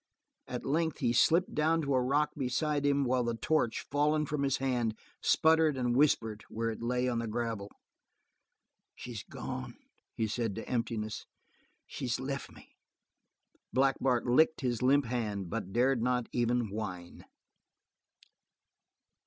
At length he slipped down to a rock beside him while the torch, fallen from his hand, sputtered and whispered where it lay on the gravel. "She's gone," he said to emptiness. "She's lef' me " Black Bart licked his limp hand but dared not even whine.